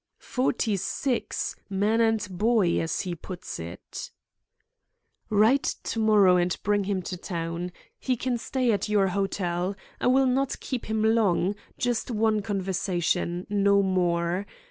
"Forty six, man and boy, as he puts it." "Write to morrow and bring him to town. He can stay at your hotel. I will not keep him long; just one conversation no more.